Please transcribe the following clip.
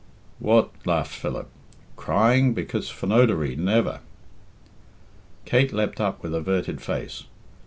"What," laughed Philip, "crying? Because Phonodoree never!" Kate leapt up with averted face.